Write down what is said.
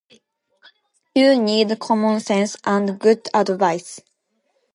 You need common sense and good advice.